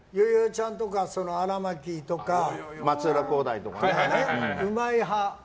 ちゃんとか荒牧とか松浦航大とかね。